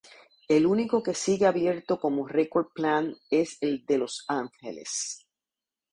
El único que sigue abierto como Record Plant es el de Los Ángeles.